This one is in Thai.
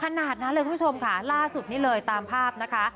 ขนาดนั้นเลยคุณผู้ชมค่ะล่าสุดนี่เลยตามภาพนะคะ